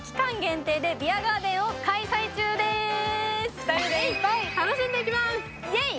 ２人でいっぱい楽しんできます。